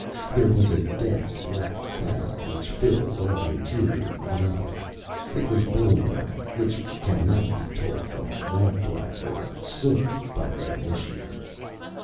There was a dense black cloud which filled all the interior of the garage. It was bone black, which cannot be told from lamp black or soot by the uninitiated.